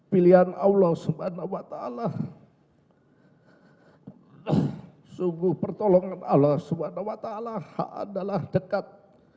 pilihan allah swt sungguh pertolongan allah swt adalah dekat